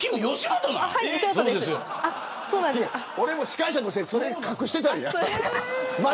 俺も司会者としてそれ隠してたんや。